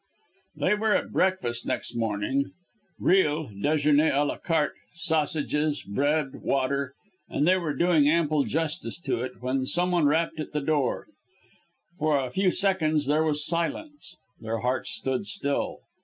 They were at breakfast next morning real déjeuner à la carte sausages, bread, water and they were doing ample justice to it, when some one rapped at the door. For a few seconds there was silence. Their hearts stood still.